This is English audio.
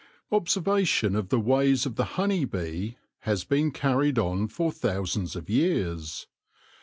Observation of the ways of the honey bee has been carried on for thousands of years.